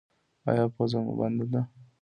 ایا پوزه مو بنده ده؟